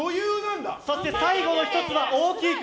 そして最後の１つは大きい栗。